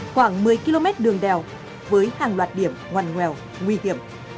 khoảng một mươi km đường đèo với hàng loạt điểm ngoằn nguèo nguy hiểm